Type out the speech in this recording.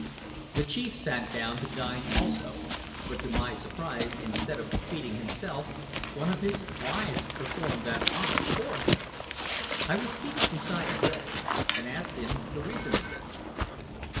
The chief sat down to dine also; but, to my surprise, instead of feeding himself, one of his wives performed that office for him! I was seated beside Bill, and asked him the reason of this.